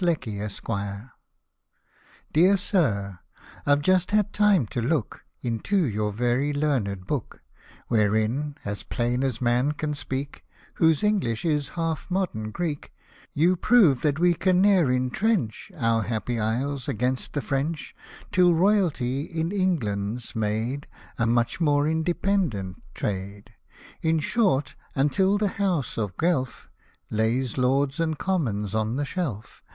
LD FR — NC Dear Sir, I've just had time to look Into your very learned Book, Wherein — as plain as man can speak, Whose English is half modem Greek— You prove that we can ne'er intrench Our happy isles against the French, Till Royalty in England's made A much more independent trade ;— In short, until the House of Guelph Lays Lords and Commons on the shelf